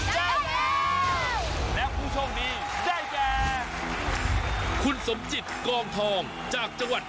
ได้แล้วและผู้โชคดีได้แก่คุณสมจิตกองทองจากจังหวัด